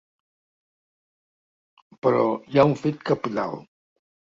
Però hi ha un fet cabdal.